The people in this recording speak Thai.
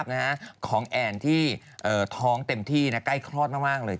จะไม่มีอะไรนะครับ